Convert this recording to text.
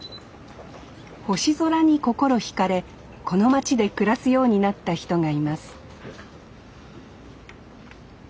星空に心ひかれこの町で暮らすようになった人がいます